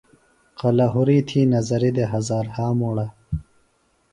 قلورِیۡ تھی نظرِیۡ دے ہزار ہا مُڑہ۔